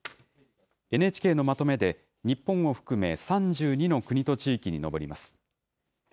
ＮＨＫのまとめで、日本を含め３２の国と地域に上ります。